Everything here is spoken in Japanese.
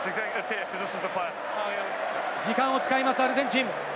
時間を使います、アルゼンチン。